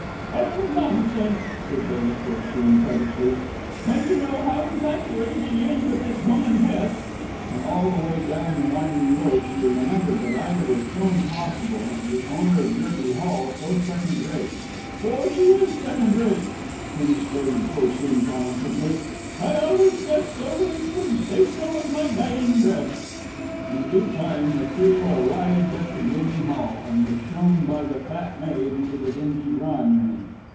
"Oh, nonsense," said Lady Corsoon pettishly. "When you know how infatuated she is with this woman Hest." And all the way down the winding road she lamented that Ida was so impossible, and the owner of Gerby Hall so second rate. "For she is second rate," finished Lady Corsoon triumphantly. "I always said so, and would say so with my dying breath." In due time the trio arrived at the gloomy Hall, and were shown by the fat maid into the dingy drawing room.